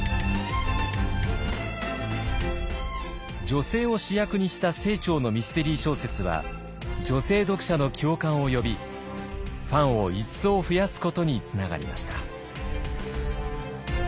女性を主役にした清張のミステリー小説は女性読者の共感を呼びファンを一層増やすことにつながりました。